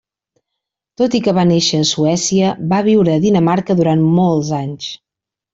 Tot i que va néixer a Suècia, va viure a Dinamarca durant molts anys.